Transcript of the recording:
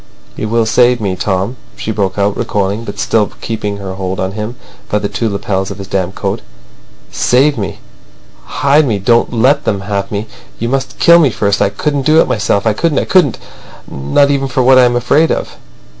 "You will save me, Tom," she broke out, recoiling, but still keeping her hold on him by the two lapels of his damp coat. "Save me. Hide me. Don't let them have me. You must kill me first. I couldn't do it myself—I couldn't, I couldn't—not even for what I am afraid of."